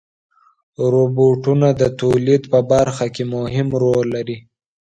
روبوټونه د تولید په برخه کې مهم رول لري.